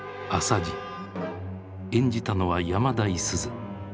演じたのは山田五十鈴。